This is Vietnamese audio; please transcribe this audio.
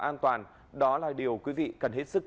an toàn đó là điều quý vị cần hết sức